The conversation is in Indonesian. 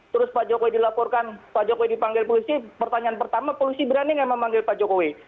terus pak jokowi dilaporkan pak jokowi dipanggil polisi pertanyaan pertama polisi berani nggak memanggil pak jokowi